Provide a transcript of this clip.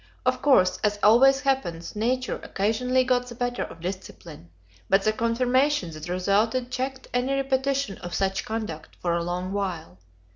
Of course, as always happens, Nature occasionally got the better of discipline; but the "confirmation" that resulted checked any repetition of such conduct for a long while.